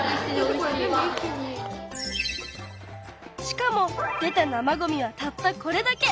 しかも出た生ごみはたったこれだけ！